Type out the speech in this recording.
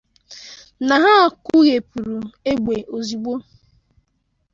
na ha kwụghepuru égbè ozigbo